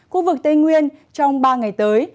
khu vực tây nguyên trong ba ngày tới